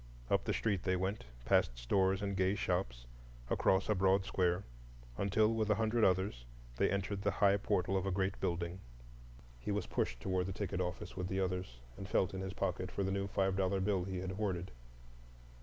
Up the street they went, past stores and gay shops, across a broad square, until with a hundred others they entered the high portal of a great building. He was pushed toward the ticket office with the others, and felt in his pocket for the new five dollar bill he had hoarded.